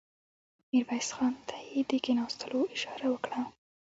ميرويس خان ته يې د کېناستلو اشاره وکړه.